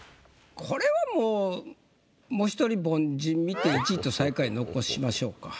これはもうもう１人凡人見て１位と最下位残しましょうか。